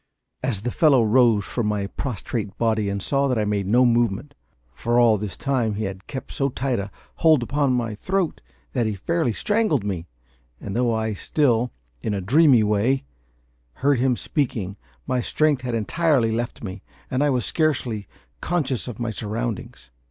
as the fellow rose from my prostrate body and saw that I made no movement for all this time he had kept so tight a hold upon my throat that he fairly strangled me, and, though I still, in a dreamy way, heard him speaking, my strength had entirely left me, and I was scarcely conscious of my surroundings.